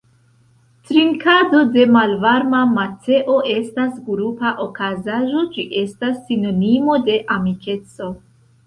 Trinkado de malvarma mateo estas grupa okazaĵo, ĝi estas sinonimo de amikeco.